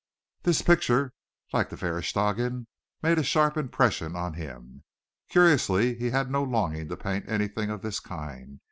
This picture, like those of Verestchagin, made a sharp impression on him. Curiously he had no longing to paint anything of this kind.